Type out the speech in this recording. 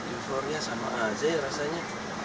euforia sama aja ya rasanya